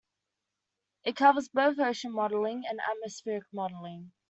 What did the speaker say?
It covers both Ocean modelling and Atmospheric Modelling.